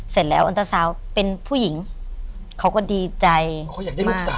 เสร็จแล้วอันตราสาวเป็นผู้หญิงเขาก็ดีใจมาก